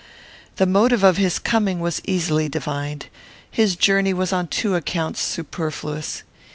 The motive of his coming was easily divined. His journey was on two accounts superfluous.